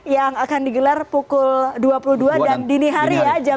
yang akan digelar pukul dua puluh dua dan dini hari ya